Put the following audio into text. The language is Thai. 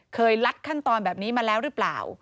ลัดขั้นตอนแบบนี้มาแล้วหรือเปล่า